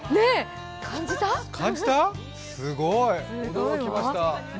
すごい。驚きました。